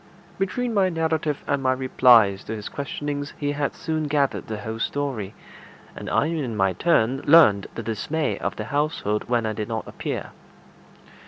Between my narrative and my replies to his questionings he had soon gathered the whole story, and I in my turn learned the dismay of the household when I did not appear.